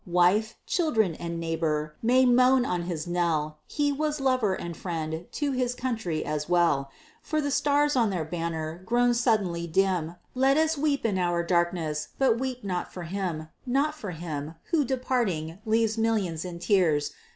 Wife, children, and neighbor, may moan on his knell He was "lover and friend" to his country, as well! For the stars on our banner, grown suddenly dim, Let us weep, in our darkness but weep not for him! Not for him who, departing, leaves millions in tears!